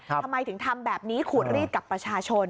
ทำไมถึงทำแบบนี้ขูดรีดกับประชาชน